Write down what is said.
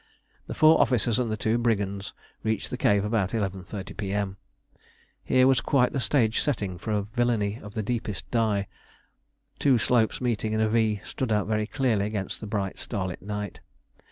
The four officers and the two brigands reached the cave about 11.30 P.M. Here was quite the stage setting for villainy of the deepest dye. Two slopes meeting in a V stood out very clearly against the bright starlit night.